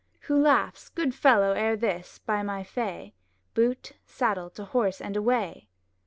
Who laughs, Good fellows ere this, by my fay, Boot, saddle, to horse, and away!